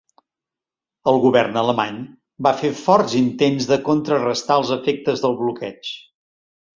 El govern alemany va fer forts intents de contrarestar els efectes del bloqueig.